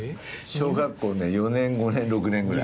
小学校４年５年６年ぐらい。